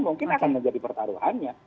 mungkin akan menjadi pertaruhannya